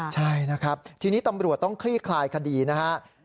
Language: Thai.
ใช่นะครับทีนี้ตำรวจต้องคลี่คลายคดีนะครับ